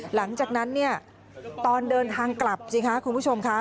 หลังจากนั้นเนี่ยตอนเดินทางกลับสิคะคุณผู้ชมค่ะ